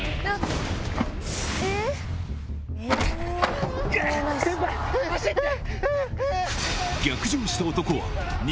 えっ⁉先輩走って！